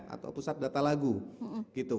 atau pusat data lagu